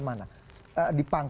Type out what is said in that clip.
dipangkas seperti sepertinya